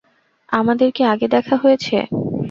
আমাদের কি আগে দেখা হয়েছে?